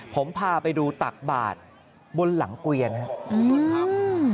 ผมพาไปดูตักบาทบนหลังเกวียนครับ